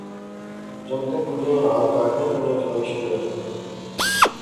جنگتیں کڑئیں ہال تاڑئیں کنے ٹھوائی شوڑیا